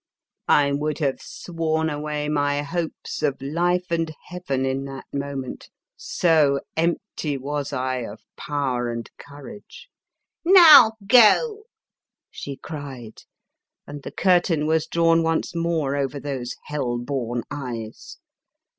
I would have sworn away my hopes 74 The Fearsome Island of life and Heaven in that moment, so empty was I of power and courage. " Now go!" she cried, and the cur tain was drawn once more over those hell born eyes.